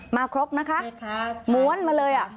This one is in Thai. มาครบนะคะหมวนมาเลย